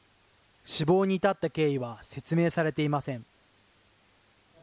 死亡に至った経緯は説明されていません。